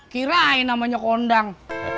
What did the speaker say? kirain namanya kondang